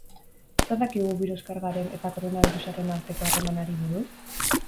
Zer dakigu birus-kargaren eta koronabirusaren arteko harremanari buruz?